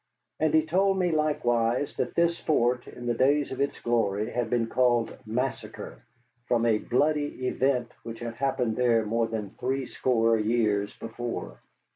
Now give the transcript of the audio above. And he told me likewise that this fort in the days of its glory had been called Massacre, from a bloody event which had happened there more than threescore years before.